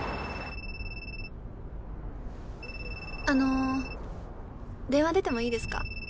あの電話出てもいいですか？